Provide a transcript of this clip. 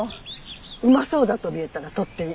うまそうだと見えたらとっていい。